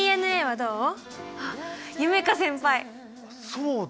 そうだ！